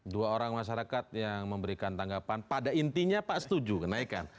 dua orang masyarakat yang memberikan tanggapan pada intinya pak setuju kenaikan